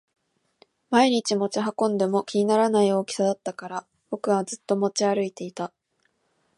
毎日持ち運んでも気にならない大きさだったから僕はずっと持ち歩いていた